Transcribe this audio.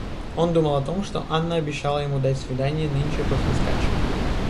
Он думал о том, что Анна обещала ему дать свиданье нынче после скачек.